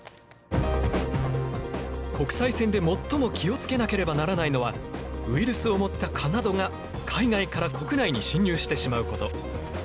国際線で最も気を付けなければならないのはウイルスを持った蚊などが海外から国内に侵入してしまうこと。